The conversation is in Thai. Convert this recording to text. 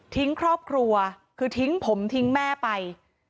ครอบครัวคือทิ้งผมทิ้งแม่ไป